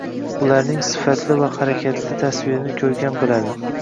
bularning sifatli va harakatli tasvirini ko‘rgan – biladi.